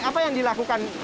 apa yang dilakukan